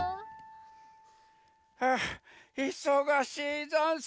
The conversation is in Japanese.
はあいそがしいざんす。